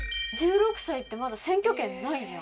１６歳ってまだ選挙権ないじゃん。